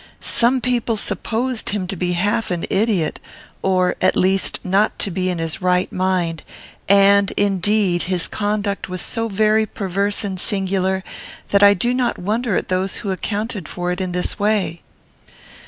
Some people supposed him to be half an idiot, or, at least, not to be right in his mind; and, indeed, his conduct was so very perverse and singular, that I do not wonder at those who accounted for it in this way."